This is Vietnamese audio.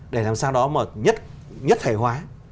để làm sao đó mà nhất thể hóa